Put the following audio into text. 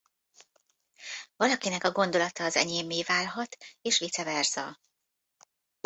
Valakinek a gondolata az enyémé válhat és vice versa.